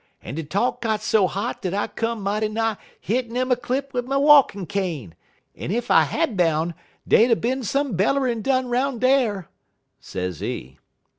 'En de talk got so hot dat I come mighty nigh hittin' 'im a clip wid my walkin' cane, en ef I had I boun' dey'd er bin some bellerin' done 'roun' dar,' sezee.